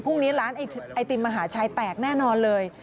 พรุ่งนี้ร้านไอติมมหาชัยแตกแน่นอนเลย